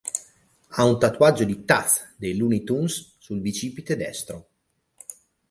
Ha un tatuaggio di Taz dei "Looney Tunes" sul bicipite destro.